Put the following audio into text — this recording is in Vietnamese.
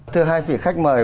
thưa hai vị khách mời